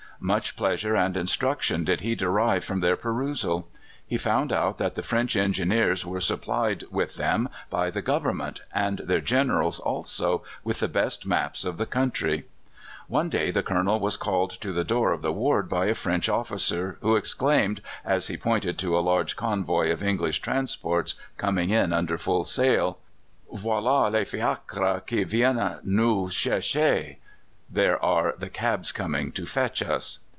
Much pleasure and instruction did he derive from their perusal. He found out that the French Engineers were supplied with them by the Government, and their Generals also with the best maps of the country. One day the Colonel was called to the door of the ward by a French officer, who exclaimed, as he pointed to a large convoy of English transports coming in under full sail: "Voilà les fiacres qui viennent nous chercher!" ("There are the cabs coming to fetch us.")